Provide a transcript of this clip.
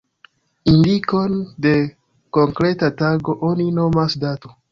Indikon de konkreta tago oni nomas dato.